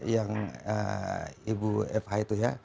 yang ibu fh itu ya